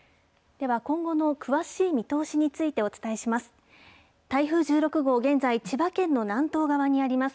では、今後の詳しい見通しについてお伝えします。